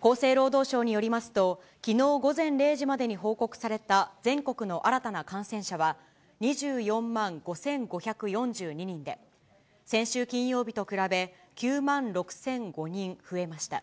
厚生労働省によりますと、きのう午前０時までに報告された全国の新たな感染者は２４万５５４２人で、先週金曜日と比べ、９万６００５人増えました。